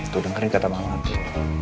tuh dengerin kata mama tuh